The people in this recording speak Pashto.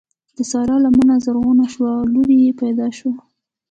د سارا لمنه زرغونه شوه؛ لور يې پیدا شوه.